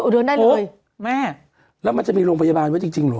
เดินได้เลยแม่แล้วมันจะมีโรงพยาบาลไว้จริงจริงเหรอ